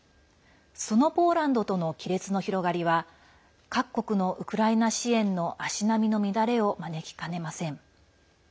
そのポーランドとの亀裂の広がりは各国のウクライナ支援の足並みの乱れを招きかねません。